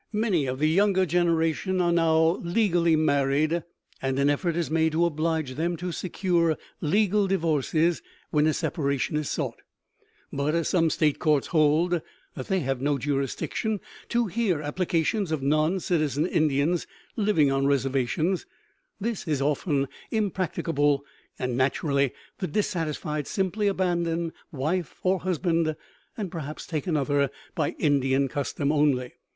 Many of the younger generation are now legally married, and an effort is made to oblige them to secure legal divorces when a separation is sought, but as some state courts hold that they have no jurisdiction to hear applications of non citizen Indians living on reservations, this is often impracticable, and naturally the dissatisfied simply abandon wife or husband, and perhaps take another by Indian custom only.